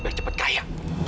biar cepet kaya